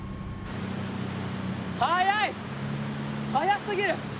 速い速すぎる。